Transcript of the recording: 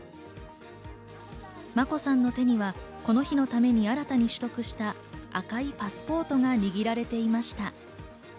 眞子さんの手にはこの日のために新たに取得した赤いパスポートが握られていました。